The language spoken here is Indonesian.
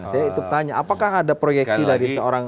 saya itu tanya apakah ada proyeksi dari seorang